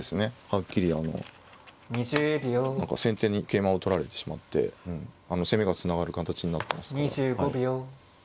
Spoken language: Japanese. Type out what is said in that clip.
はっきりあの何か先手に桂馬を取られてしまって攻めがつながる形になってますから。